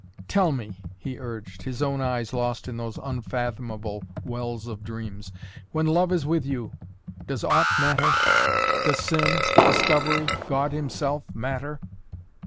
"Tell me!" he urged, his own eyes lost in those unfathomable wells of dreams. "When love is with you does aught matter? Does sin discovery God himself matter?"